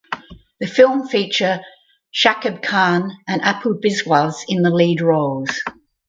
The film feature Shakib Khan and Apu Biswas in the lead roles.